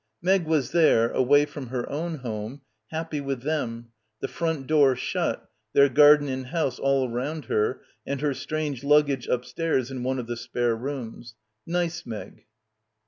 Meg was there, away from her own home, happy with them, the front door shut, their gar den and house all round her and her strange lug gage upstairs in one of the spare rooms. Nice Meg.